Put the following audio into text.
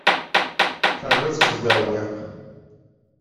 Terriḍ-tt deg uɛewwiq.